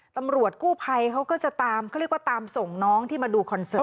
ตำรวจกู้ไพยเขาก็จะตามส่งน้องที่มาดูคอนเสิร์ต